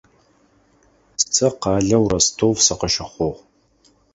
Сэ къалэу Ростов сыкъыщыхъугъ.